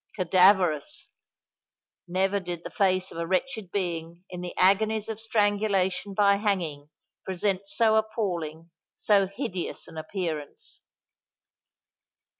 Cadaverous!—never did the face of a wretched being in the agonies of strangulation by hanging, present so appalling—so hideous an appearance!